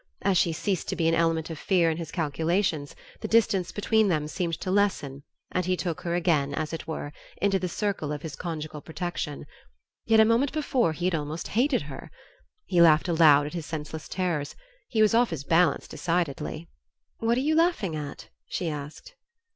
As she ceased to be an element of fear in his calculations the distance between them seemed to lessen and he took her again, as it were, into the circle of his conjugal protection.... Yet a moment before he had almost hated her!... He laughed aloud at his senseless terrors.... He was off his balance, decidedly. "What are you laughing at?" she asked.